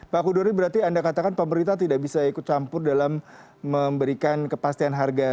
pak kudori berarti anda katakan pemerintah tidak bisa ikut campur dalam memberikan kepastian harga